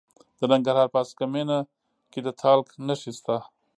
د ننګرهار په هسکه مینه کې د تالک نښې شته.